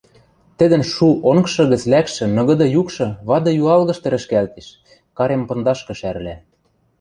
Тӹдӹн шу онгжы гӹц лӓкшӹ ныгыды юкшы вады юалгышты рӹшкӓлтеш, карем пындашкы шӓрлӓ: